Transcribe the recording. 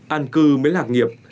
an cư mới lạc nghiệp